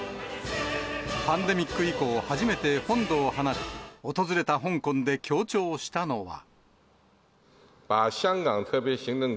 パンデミック以降、初めて本土を離れ、訪れた香港で強調したのは。